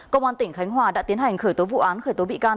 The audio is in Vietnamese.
công an tỉnh khánh hòa đã tiến hành khởi tố vụ án khởi tố bị can